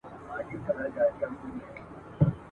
چي آواز یې داسي ډک دی له هیبته !.